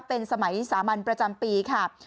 เป็นสมัยวิสามันประจำปีค่ะ